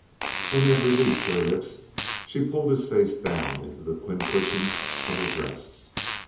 When he had released her lips, she pulled his face down into the twin cushions of her breasts.